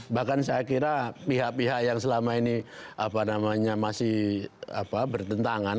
bahkan saya kira pihak pihak yang selama ini masih bertentangan